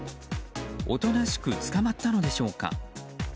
おとなしく捕まったのでしょうか。